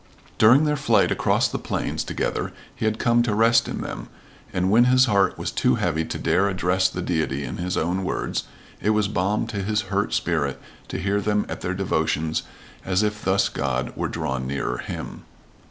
During their flight across the plains together he had come to rest in them, and when his heart was too heavy to dare address the Deity in his own words, it was balm to his hurt spirit to hear them at their devotions as if thus God were drawn nearer him.